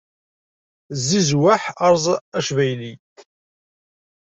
Zizweḥ, eṛẓ acbayli!